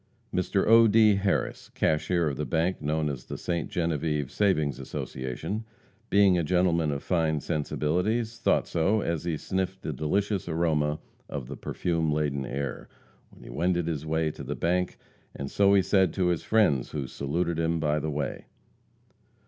Mr. O. D. Harris, cashier of the bank known as the Ste. Genevieve Savings Association, being a gentleman of fine sensibilities, thought so as he sniffed the delicious aroma of the perfume laden air, when he wended his way to the bank, and so he said to his friends who saluted him by the way.